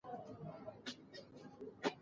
افغانستان په خپلو پامیر سیمو باندې پوره تکیه لري.